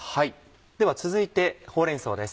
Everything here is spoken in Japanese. では続いてほうれん草です。